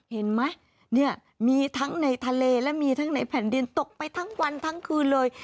เห็นไหมเนี่ยมีทั้งในทะเลและมีทั้งในแผ่นดินตกไปทั้งวันทั้งคืนเลย